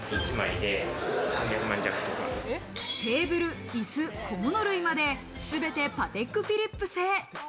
テーブル、椅子、小物類まで全てパテックフィリップ製。